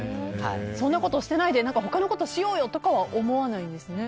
そんなことしてないで他のことしようとは思わないんですね。